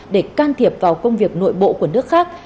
để can thiệp vào công việc nội bộ của nước khác